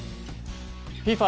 ＦＩＦＡ